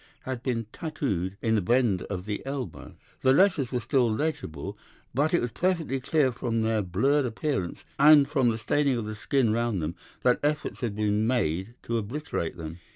had been tattooed in the bend of the elbow. The letters were still legible, but it was perfectly clear from their blurred appearance, and from the staining of the skin round them, that efforts had been made to obliterate them.